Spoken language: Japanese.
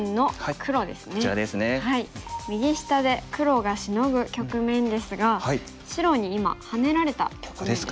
右下で黒がシノぐ局面ですが白に今ハネられた局面ですね。